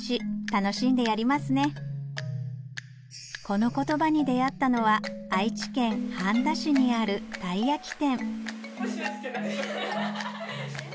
このコトバに出合ったのは愛知県半田市にあるたい焼き